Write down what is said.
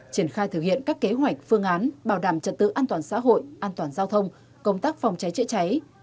triển khai thực hiện các kế hoạch phương án bảo đảm trật tự an toàn xã hội an toàn giao thông công tác phòng cháy chữa cháy